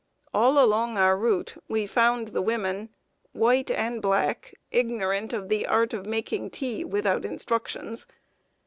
All along our route we found the women, white and black, ignorant of the art of making tea without instructions.